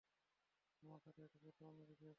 তোমার সাথে একটা গুরুত্বপূর্ণ বিষয়ে কথা বলছি।